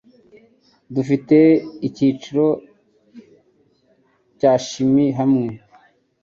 Dufite icyiciro cya chimie hamwe.